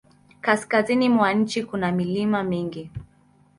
Kaskazini mwa nchi kuna milima mingi.